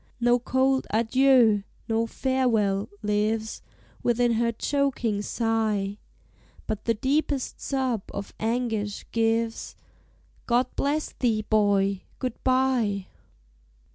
No cold "adieu," no "farewell," lives Within her choking sigh, But the deepest sob of anguish gives, "God bless thee, boy! Good bye!"